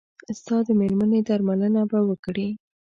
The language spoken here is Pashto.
ستا د مېرمنې درملنه به وکړي.